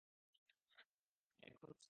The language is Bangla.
এখন আর নন!